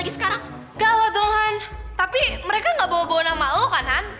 gak lah dong han tapi mereka gak bawa bawa nama lo kan han